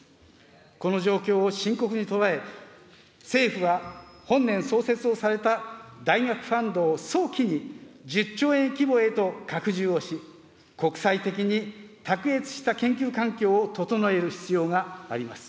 この状況を深刻に捉え、政府は本年、創設をされた大学ファンドを早期に１０兆円規模へと拡充をし、国際的に卓越した研究環境を整える必要があります。